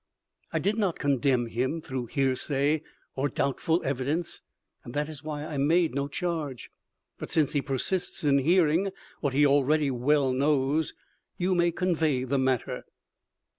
I did not condemn him through hearsay or doubtful evidence, and that is why I made no charge. But, since he persists in hearing what he already well knows, you may convey the matter.